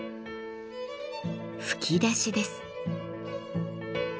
吹き出しです。